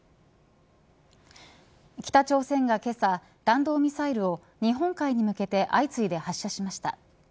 北朝鮮がけさ弾道ミサイルを日本海に向けて相次いで発射しました。